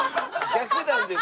逆なんです。